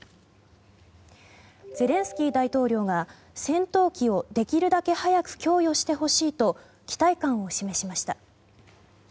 ゼレンスキー大統領が戦闘機をできるだけ早く供与してほしいと期待感を示しました。